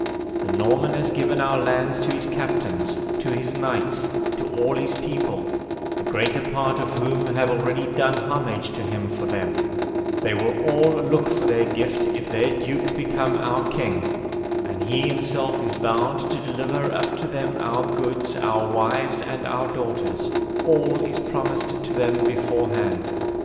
The Norman has given our lands to his captains, to his knights, to all his people, the greater part of whom have already done homage to him for them; they will all look for their gift, if their Duke become our king; and he himself is bound to deliver up to them our goods, our wives, and our daughters: all is promised to them beforehand.